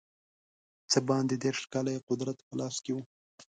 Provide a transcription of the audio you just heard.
څه باندې دېرش کاله یې قدرت په لاس کې وو.